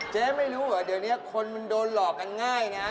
เจ๊ไม่รู้เหรอเดี๋ยวนี้คนมันโดนหลอกกันง่ายนะ